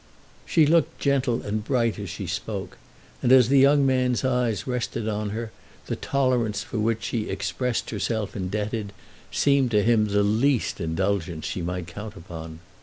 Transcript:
She looked gentle and bright as she spoke, and as the young man's eyes rested on her the tolerance for which she expressed herself indebted seemed to him the least indulgence she might count upon.